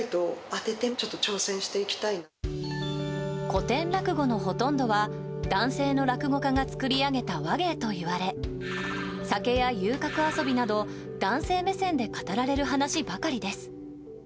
古典落語のほとんどは男性の落語家が作り上げた話芸といわれ酒や遊郭遊びなど男性目線で語られる話ばかりです。